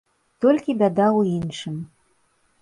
Толькі бяда ў іншым.